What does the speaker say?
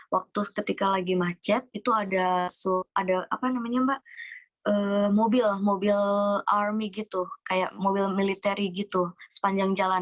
waktu ketika lagi macet itu ada mobil mobil army gitu kayak mobil militeri gitu sepanjang jalan